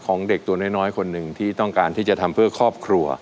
เด็กตัวน้อยคนหนึ่งที่ต้องการที่จะทำเพื่อครอบครัว